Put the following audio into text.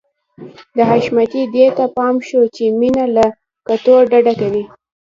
د حشمتي دې ته پام شو چې مينه له کتو ډډه کوي.